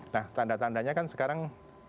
nah tanda tandanya kan sekarang